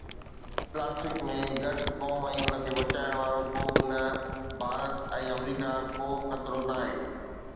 Plastic ۾ غرق قوم ۽ ان کي بچائڻ وارو ڪو به نه، ڀارت ۽ آمريڪا کان ڪو خطرو ناهي.